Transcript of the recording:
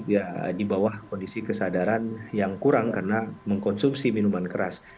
ya di bawah kondisi kesadaran yang kurang karena mengkonsumsi minuman keras